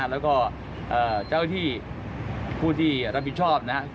แล้วก็เจ้าที่ผู้ที่รับผิดชอบนะครับ